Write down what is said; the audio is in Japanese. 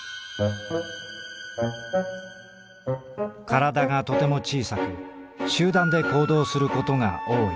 「身体がとても小さく集団で行動することが多い。